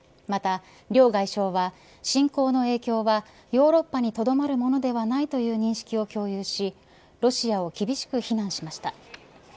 また両外相は、侵攻の影響はヨーロッパにとどまるものではないという認識を共有しロシアを厳しく非難しました。